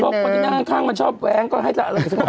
ตอนข้างก็มาชอบแวงก็ให้ตั้งงานสงบสติอารมณ์